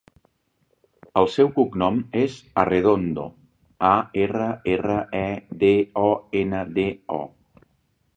El seu cognom és Arredondo: a, erra, erra, e, de, o, ena, de, o.